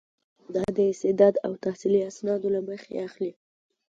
دا د استعداد او تحصیلي اسنادو له مخې اخلي.